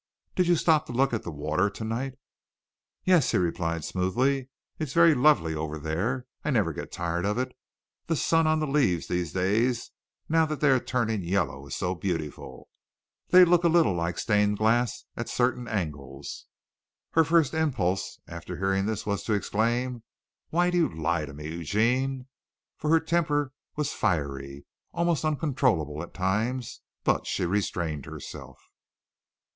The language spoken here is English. Did you stop to look at the water tonight?" "Yes," he replied smoothly. "It's very lovely over there. I never get tired of it. The sun on the leaves these days now that they are turning yellow is so beautiful. They look a little like stained glass at certain angles." Her first impulse after hearing this was to exclaim, "Why do you lie to me, Eugene?" for her temper was fiery, almost uncontrollable at times; but she restrained herself.